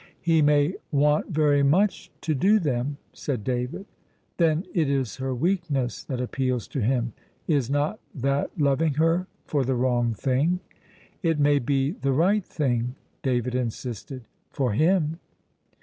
"He may want very much to do them," said David. "Then it is her weakness that appeals to him. Is not that loving her for the wrong thing?" "It may be the right thing," David insisted, "for him."